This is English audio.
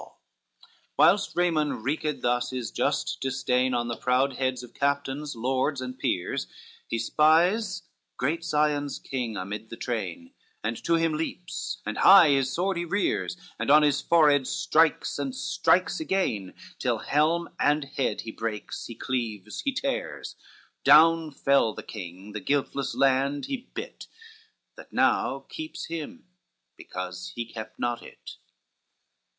LXXXIX Whilst Raymond wreaked thus his just disdain On the proud heads of captains, lords and peers, He spies great Sion's king amid the train, And to him leaps, and high his sword he rears, And on his forehead strikes, and strikes again, Till helm and head he breaks, he cleaves, he tears; Down fell the king, the guiltless land he bit, That now keeps him, because he kept not it.